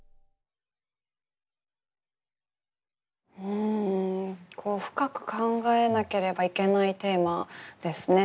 ふん深く考えなければいけないテーマですね。